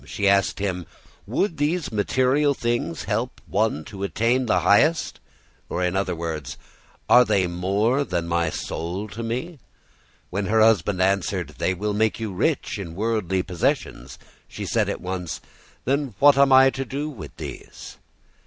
She asked him, "Would these material things help one to attain the highest?" or, in other words, "Are they more than my soul to me?" When her husband answered, "They will make you rich in worldly possessions," she said at once, "then what am I to do with these?"